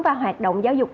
và hoạt động giáo dục